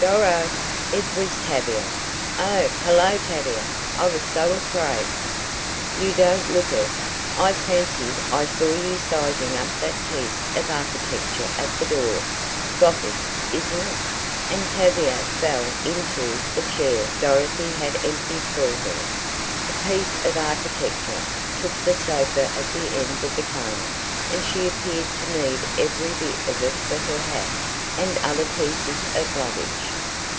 "Doro!" It was Tavia! "Oh, hello Tavia. I was so afraid " "You don't look it. I fancied I saw you sizing up that piece of architecture at the door. Gothic; isn't it?" and Tavia fell into the chair Dorothy had emptied for her. The "piece of architecture" took the sofa at the end of the car, and she appeared to need every bit of it for her hat, and other pieces of luggage.